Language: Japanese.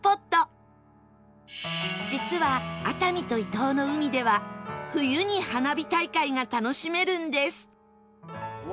実は熱海と伊東の海では冬に花火大会が楽しめるんです